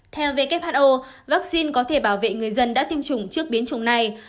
theo who vaccine có thể bảo vệ người dân đã tiêm chủng trước biến chủng này